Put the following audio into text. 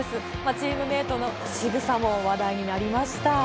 チームメートのしぐさも話題になりました。